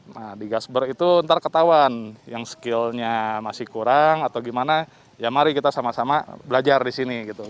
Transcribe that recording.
nah di gasberg itu ntar ketahuan yang skillnya masih kurang atau gimana ya mari kita sama sama belajar di sini gitu